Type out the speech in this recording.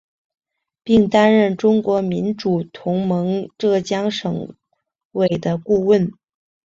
并担任中国民主同盟浙江省委的顾问。